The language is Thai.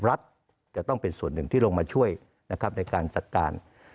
รัฐจะต้องเป็นส่วนหนึ่งที่ลงมาช่วยนะครับในการจัดการ